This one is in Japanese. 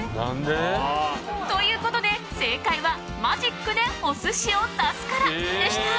ということで正解はマジックでお寿司を出すからでした。